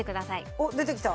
おっ出てきた。